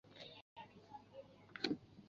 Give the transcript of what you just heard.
早年担任甲喇章京。